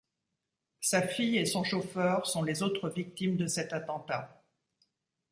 Sa fille et son chauffeur sont les autres victimes de cet attentat.